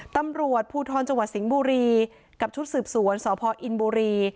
ตำรวจภูทรจังหวัดสิงห์บุรีกับชุดสืบสวนสพอินบุรี